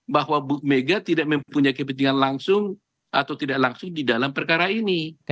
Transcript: bahwa bu mega tidak mempunyai kepentingan langsung atau tidak langsung di dalam perkara ini